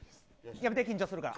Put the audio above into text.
やめて、緊張するから。